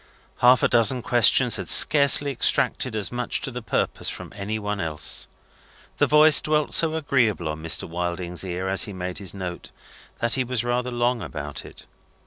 Half a dozen questions had scarcely extracted as much to the purpose from any one else. The voice dwelt so agreeably on Mr. Wilding's ear as he made his note, that he was rather long about it.